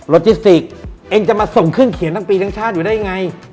จิสติกเองจะมาส่งเครื่องเขียนทั้งปีทั้งชาติอยู่ได้ไง